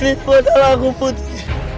ini padahal aku putri